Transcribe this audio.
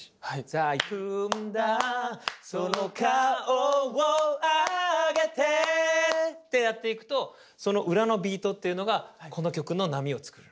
「さあ行くんだその顔をあげて」ってやっていくとその裏のビートっていうのがこの曲の波を作るの。